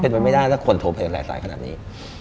เป็นไปไม่ได้ถ้าคนโทรเพลงหลายสายขนาดนี้